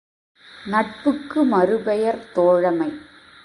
நட்புக்கு மறுபெயர் தோழமை.